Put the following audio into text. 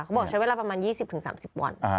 บอกใช้เวลาประมาณ๒๐๓๐วัน